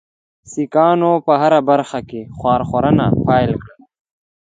سیکهانو په هره برخه کې ښورښونه پیل کړل.